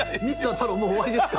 太郎もう終わりですか？